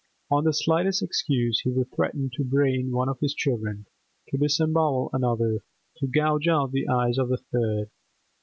On the slightest excuse he would threaten to brain one of his children, to disembowel another, to gouge out the eyes of the third.